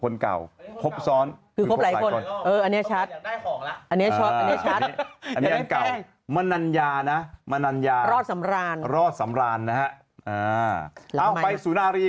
เดี๋ยวไม่อ่านข่าวอ่านแต่ไอ้เนี่ย